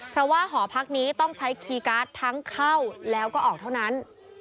เพราะว่าหอพักนี้ต้องใช้คีย์การ์ดทั้งเข้าแล้วก็ออกเท่านั้น